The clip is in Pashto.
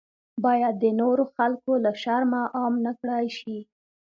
باید د نورو خلکو له شرمه عام نکړای شي.